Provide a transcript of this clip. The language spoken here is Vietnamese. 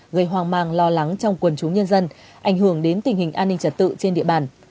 gây hoang mang lo lắng trong quần chúng nhân dân ảnh hưởng đến tình hình an ninh trật tự trên địa bàn